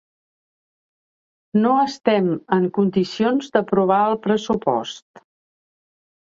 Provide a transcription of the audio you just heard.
No estem en condicions d’aprovar el pressupost.